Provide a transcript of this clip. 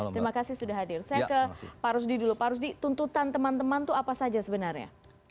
terima kasih sudah hadir saya ke pak rusdi dulu pak rusdi tuntutan teman teman itu apa saja sebenarnya